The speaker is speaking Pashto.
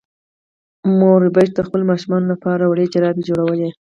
مور ربیټ د خپلو ماشومانو لپاره وړې جرابې جوړولې